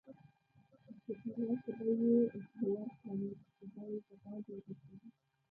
چوپړوال ته به یې ورکړم چې هغه یې دباندې وغورځوي.